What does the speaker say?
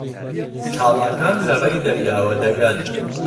کاڵاکان لەڕێی دەریاوە دەگەن.